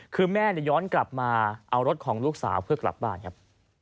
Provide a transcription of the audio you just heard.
คือแม่ย้อนกลับมาเอารถของลูกสาวเพื่อกลับบ้านครับ